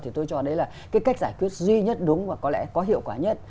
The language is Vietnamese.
thì tôi cho đấy là cái cách giải quyết duy nhất đúng và có lẽ có hiệu quả nhất